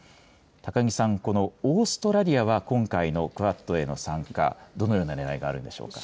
高木さん、このオーストラリアは、今回のクアッドへの参加、どのようなねらいがあるんでしょうか。